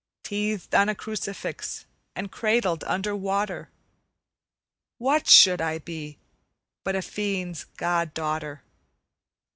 Teethed on a crucifix and cradled under water, What should I be but a fiend's god daughter?